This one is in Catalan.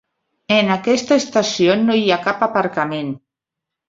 En aquesta estació no hi ha cap aparcament.